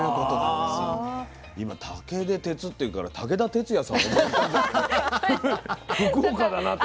今竹で鉄って言うから武田鉄矢さんが思い浮かんだけど福岡だなと。